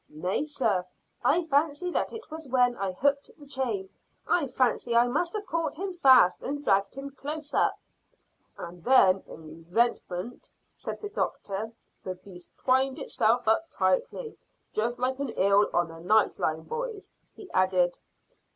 "Nay, sir; I fancy that it was when I hooked the chain. I fancy I must have caught him fast and dragged him close up." "And then, in resentment," said the doctor, "the beast twined itself up tightly; just like an eel on a night line, boys," he added.